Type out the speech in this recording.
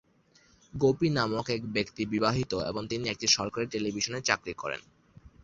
গোপী নামক এক ব্যক্তি বিবাহিত এবং তিনি একটি সরকারী টেলিভিশনে চাকরি করেন।